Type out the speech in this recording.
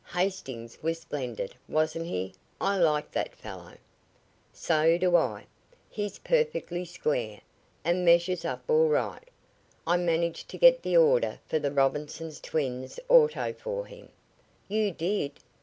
Hastings was splendid, wasn't he? I like that fellow." "So do I. He's perfectly square, and measures up all right. I managed to get the order for the Robinson twins' auto for him." "You did?"